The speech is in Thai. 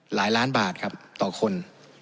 หลายล้านบาทครับต่อคน